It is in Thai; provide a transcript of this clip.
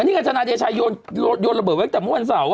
อันนี้ก็อาจารย์เจศัยโยนระเบิดไปตั้งทุกวันเสาร์อ่ะ